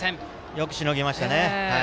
よくしのぎましたね。